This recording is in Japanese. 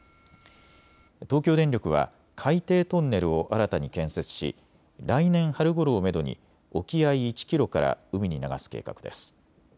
東京電力は海底トンネルを新たに建設し来年春ごろをめどに沖合１キロから海に流す計画です。